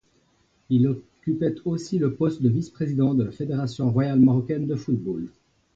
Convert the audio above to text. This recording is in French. Il occupait aussi le poste de vice-président de la Fédération royale marocaine de football.